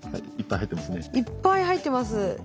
いっぱい入ってますね。